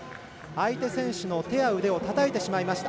相手選手の手や腕をたたいてしまいました。